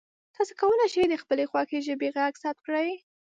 تاسو کولی شئ د خپلې خوښې ژبې غږ ثبت کړئ.